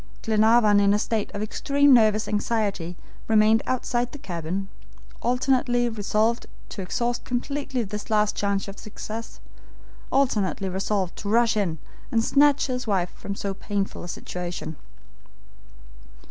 Glenarvan in a state of extreme nervous anxiety, remained outside the cabin, alternately resolved to exhaust completely this last chance of success, alternately resolved to rush in and snatch his wife from so painful a situation.